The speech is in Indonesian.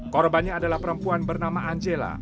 korbannya adalah perempuan bernama angela